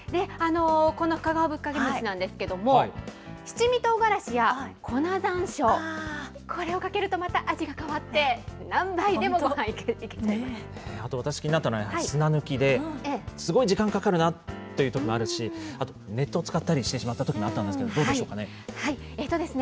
この深川ぶっかけ飯なんですけれども、七味とうがらしや粉ざんしょう、これをかけると、また味が変わって、あと私、気になったのは、砂抜きで、すごい時間かかるなっていうときもあるし、あと、熱湯つかったりしてしまったときもあったんですけど、どうでしょ